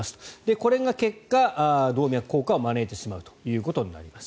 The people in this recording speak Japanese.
これが結果、動脈硬化を招いてしまうということになります。